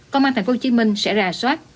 công an tp hcm sẽ ra soát